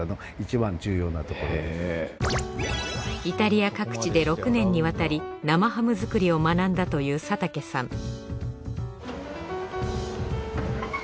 イタリア各地で６年にわたり生ハム作りを学んだという佐竹さん